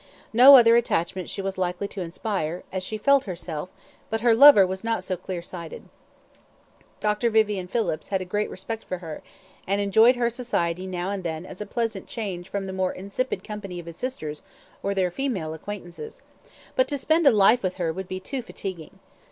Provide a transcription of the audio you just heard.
No other attachment she was likely to inspire, as she felt herself, but her lover was not so clear sighted. Dr. Vivian Phillips had a great respect for her, and enjoyed her society now and then as a pleasant change from the more insipid company of his sisters or their female acquaintances, but to spend a life with her would be too fatiguing.